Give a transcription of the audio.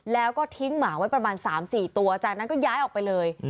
แล้วก็ทิ้งหมาไว้ประมาณ๓๔ตัวจากนั้นก็ย้ายออกไปเลย